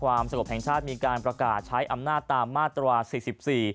มีชอบงานแข่งจังหวัดราชบุรี